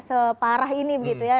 separah ini begitu ya